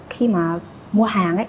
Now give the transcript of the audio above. khi mà mua hàng